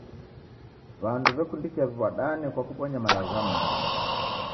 W'andu w'ekundikia w'iw'adane kwa kubonya malagho gha maana.